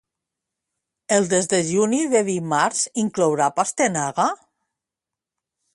El desdejuni de dimarts inclourà pastanaga?